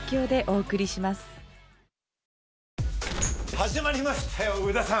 始まりましたよ上田さん！